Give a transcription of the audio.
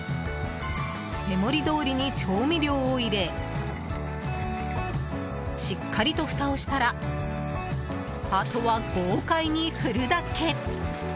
目盛りどおりに調味料を入れしっかりとふたをしたらあとは豪快に振るだけ！